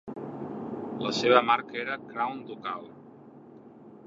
La seva marca era Crown Ducal.